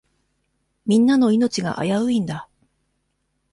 みんなの命が危ういんだ。